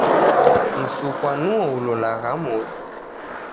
Msukwa nuo ulolagha modo.